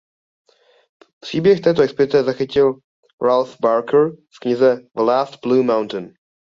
Příběh této expedice zachytil Ralph Barker v knize "The Last Blue Mountain".